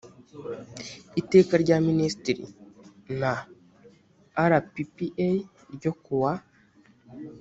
iteka rya minisitiri n rppa ryo kuwa